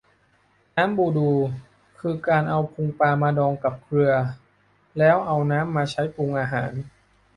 น้ำบูดู คือการเอาพุงปลามาดองกับเกลือ แล้วเอาน้ำมาใช้ปรุงอาหาร